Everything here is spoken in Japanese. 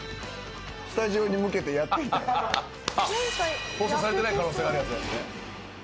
「“スタジオに向けてやっていた”」「放送されてない可能性があるやつなんだね」